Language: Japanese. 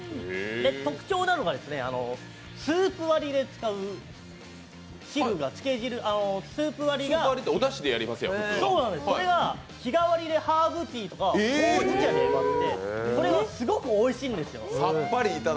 特徴なのがスープ割りで使う汁が、それが日替わりでハーブティーとかほうじ茶で割ってそれがすごくおいしいんですよ。